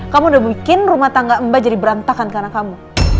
kamu udah bikin rumah tangga mbak jadi berantakan karena kamu